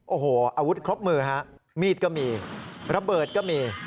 โอ้โหอาวุธครบมือฮะมีดก็มีระเบิดก็มี